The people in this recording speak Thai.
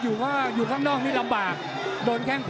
ดูข้างนอกนี้ลำบาก